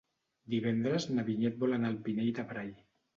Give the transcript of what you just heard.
Divendres na Vinyet vol anar al Pinell de Brai.